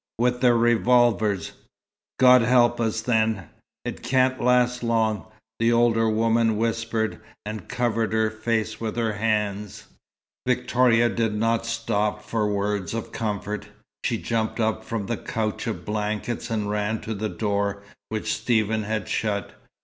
"With their revolvers." "God help us, then! It can't last long," the older woman whispered, and covered her face with her hands. Victoria did not stop for words of comfort. She jumped up from the couch of blankets and ran to the door, which Stephen had shut.